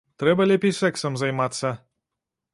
Трэба лепей сэксам займацца.